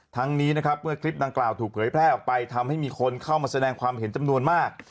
ทั้งนี้นะครับเมื่อคลิปดังกล่าวถูกเผยแพร่ออกไปทำให้มีคนเข้ามาแสดงความเห็นจำนวนมาก